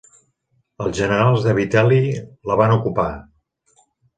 Els generals de Vitel·li la van ocupar.